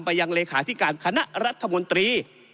ยังเลขาธิการคณะรัฐมนตรี